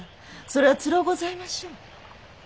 それはつろうございましょう。